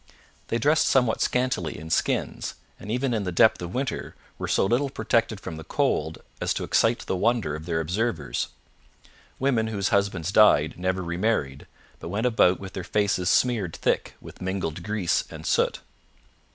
They dressed somewhat scantily in skins, and even in the depth of winter were so little protected from the cold as to excite the wonder of their observers. Women whose husbands died never remarried, but went about with their faces smeared thick with mingled grease and soot.